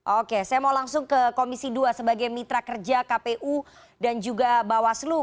oke saya mau langsung ke komisi dua sebagai mitra kerja kpu dan juga bawaslu